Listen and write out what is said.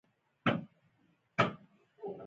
مجرمین باید د قانون له مخې په دار ځړول شوي وای.